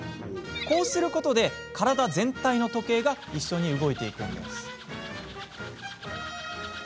こうすることで、体全体の時計が一緒に動いていくんです。